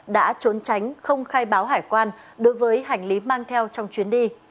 đã trốn tránh không khai báo hải quan đối với hành lý mang theo trong chuyến đi